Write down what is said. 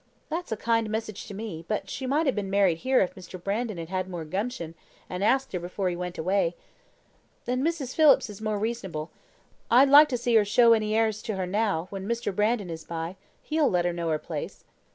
That's a kind message to me; but she might have been married here if Mr. Brandon had had more gumption, and asked her before he went away. And Mrs. Phillips is more reasonable. I'd like to see her show any airs to her now, when Mr. Brandon is by; he'll let her know her place.